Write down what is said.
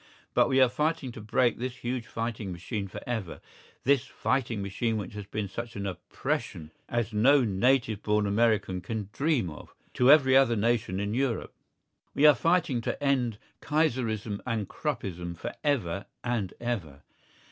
But we are fighting to break this huge fighting machine for ever—this fighting machine which has been such an oppression as no native born American can dream of, to every other nation in Europe. We are fighting to end Kaiserism and Kruppism for ever and ever.